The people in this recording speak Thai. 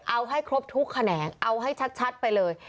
เอาให้ครบทุกแขนงเอาให้ชัดไปเลย